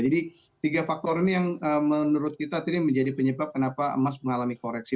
jadi tiga faktor ini yang menurut kita menjadi penyebab kenapa emas mengalami koreksi